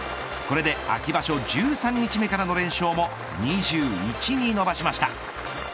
これで秋場所１３日目からの連勝も２１に伸ばしました。